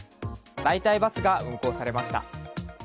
代替バスが運行されました。